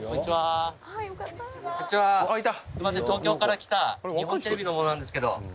東京から来た日本テレビの者なんですけど。